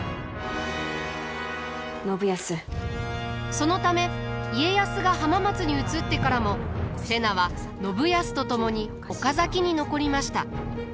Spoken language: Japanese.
そのため家康が浜松に移ってからも瀬名は信康と共に岡崎に残りました。